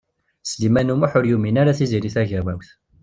Sliman U Muḥ ur yumin ara Tiziri Tagawawt.